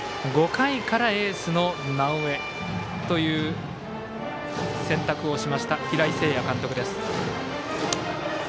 ５回からエースの直江という選択をしました平井誠也監督。